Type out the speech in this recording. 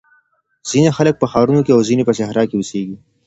ځینې خلګ په ښارونو کي او ځینې په صحرا کي اوسېږي.